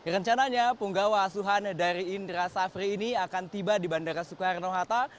rencananya penggawa asuhan dari indra safri ini akan tiba di bandara soekarno hatta